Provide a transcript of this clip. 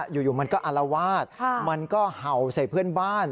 อยู่มันก็อารวาสมันก็เห่าใส่เพื่อนบ้าน